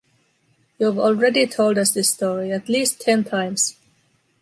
You’ve already told us this story at least ten times.